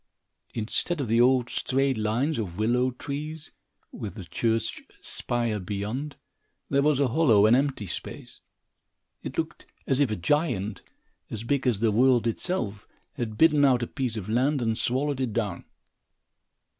Instead of the old, straight lines of willow trees, with the church spire beyond, there was a hollow and empty place. It looked as if a giant, as big as the world itself, had bitten out a piece of land and swallowed it down.